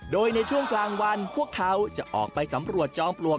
โดยในช่วงกลางวันพวกเขาจะออกไปสำรวจจอมปลวก